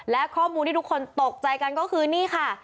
และข้อมูลที่ทุกคนตกใจกันก็คือนี่ค่ะ